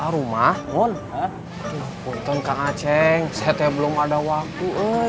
rumah rumah belum ada waktu